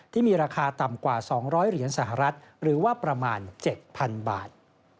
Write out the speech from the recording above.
ที่มีราคาต่ำกว่า๒๐๐เหรียญสหรัฐหรือว่าประมาณ๗๐๐บาท